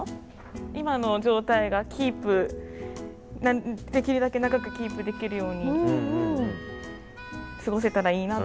今の状態がキープできるだけ長くキープできるように過ごせたらいいなと。